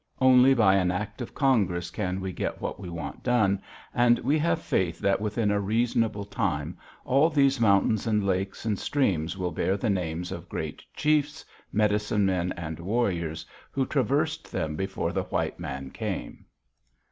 Only by an act of Congress can we get what we want done, and we have faith that within a reasonable time all these mountains and lakes and streams will bear the names of the great chiefs, medicine men, and warriors who traversed them before the white men came.